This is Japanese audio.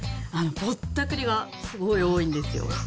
ぼったくりがすごい多いんですよ。